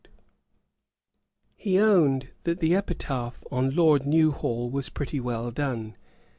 He owned that the epitaph on Lord Newhall was pretty well done.